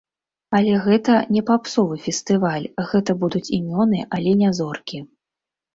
Але гэта не папсовы фестываль, гэта будуць імёны, але не зоркі.